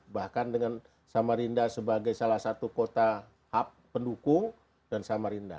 bahkan dengan samarinda sebagai salah satu kota hub pendukung dan samarinda